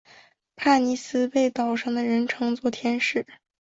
帕妮丝被岛上的人们称作天使。